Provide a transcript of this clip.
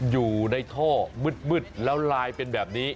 อยู่ในท่อมืดแล้วลายเป็นแบบนี้